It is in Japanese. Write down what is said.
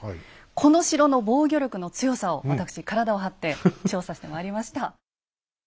この城の防御力の強さを私体を張って調査してまいりました。